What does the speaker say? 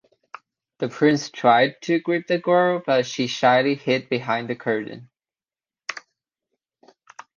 The prince tried to grip the girl but she shyly hid behind the curtain.